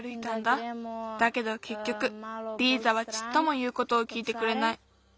だけどけっきょくリーザはちっともいうことをきいてくれない。